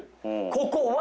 ここは。